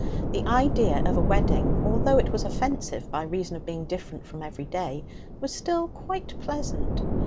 The idea of a wedding, although it was offensive by reason of being different from every day, was still quite pleasant.